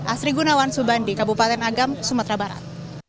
asri gunawan subandi kabupaten agam sumatera barat